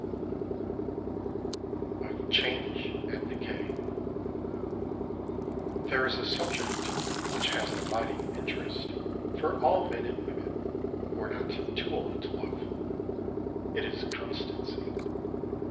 XI OF CHANGE AND DECAY There is a subject which has an abiding interest for all men and women who are not too old to love; it is Constancy.